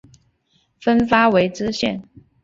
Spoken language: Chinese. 分发为知县。